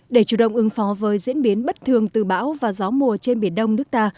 để chủ động ứng phó với diễn biến bất thường từ bão và gió mùa trên biển đông nước ta